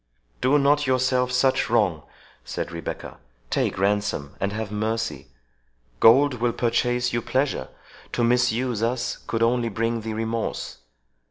"Do not do yourself such wrong," said Rebecca; "take ransom, and have mercy!—Gold will purchase you pleasure,—to misuse us, could only bring thee remorse.